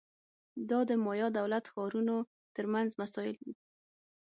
دا د مایا دولت ښارونو ترمنځ مسایل وو